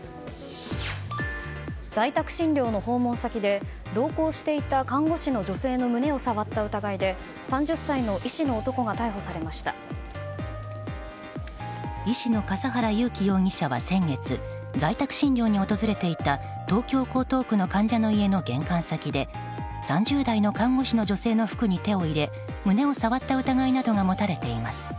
在宅診療の訪問先で同行していた看護師の女性の胸を触った疑いで３０歳の医師の男が医師の笠原優輝容疑者は先月在宅診療に訪れていた東京・江東区の患者の家の玄関先で３０代の看護師の女性の服に手を入れ胸を触った疑いなどが持たれています。